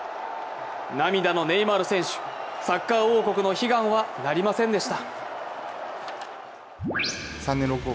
涙のネイマール選手、サッカー王国の悲願はなりませんでした。